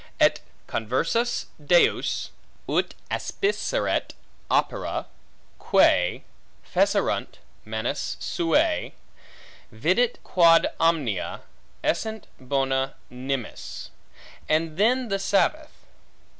Et conversus Deus, ut aspiceret opera quae fecerunt manus suae, vidit quod omnia essent bona nimis; and then the sabbath.